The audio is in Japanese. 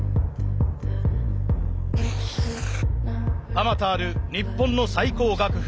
あまたある日本の最高学府